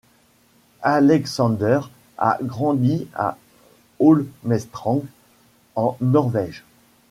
Aleksander a grandi à Holmestrand en Norvège.